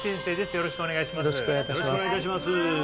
よろしくお願いします